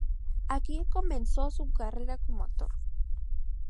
Aquí comenzó su carrera como actor.